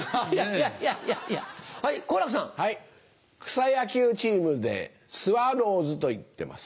草野球チームでスワローズといってます。